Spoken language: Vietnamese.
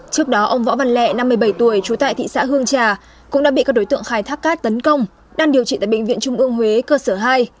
trước đó ông võ văn lẹ năm mươi bảy tuổi trú tại thị xã hương trà cũng đã bị các đối tượng khai thác cát tấn công đang điều trị tại bệnh viện trung ương huế cơ sở hai